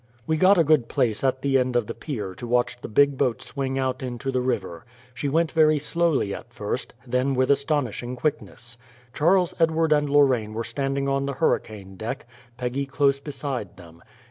We got a good place at the end of the pier to watch the big boat swing out into the river. She went very slowly at first, then with astonishing quickness. Charles Edward and Lorraine were standing on the hurricane deck, Peggy close beside them.